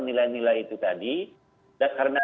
nilai nilai itu tadi karena